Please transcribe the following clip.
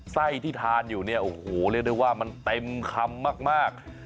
ที่ทานอยู่เนี่ยโอ้โหเรียกได้ว่ามันเต็มคำมาก